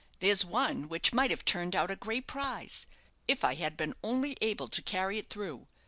There's one which might have turned out a great prize, if I had been only able to carry it through.